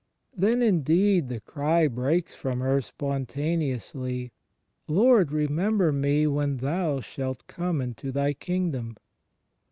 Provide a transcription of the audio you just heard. Then, indeed, the cry breaks from her spontaneously, "Lord, remember me when Thou shalt come into Thy Kingdom.